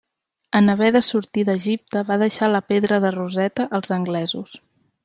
En haver de sortir d'Egipte va deixar la pedra de Roseta als anglesos.